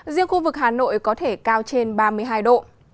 riêng khu vực hà nội có thể cao trên ba mươi hai độ